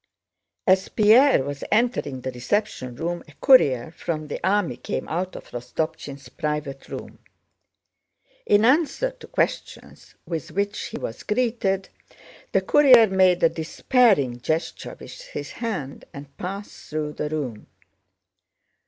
As Pierre was entering the reception room a courier from the army came out of Rostopchín's private room. In answer to questions with which he was greeted, the courier made a despairing gesture with his hand and passed through the room.